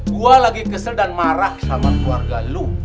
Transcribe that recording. gue lagi kesel dan marah sama keluarga lo